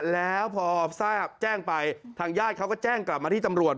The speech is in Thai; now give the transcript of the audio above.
แล้วพอทราบแจ้งไปทางญาติเขาก็แจ้งกลับมาที่ตำรวจ